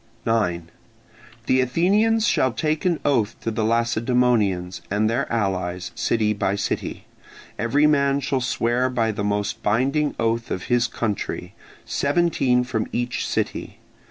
9. The Athenians shall take an oath to the Lacedaemonians and their allies, city by city. Every man shall swear by the most binding oath of his country, seventeen from each city.